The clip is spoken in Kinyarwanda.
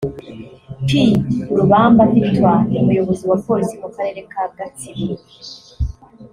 P Rubamba Victor (Umuyobozi wa polisi mu karere ka Gatsibo)